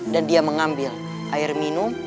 dan dia mengambil air minum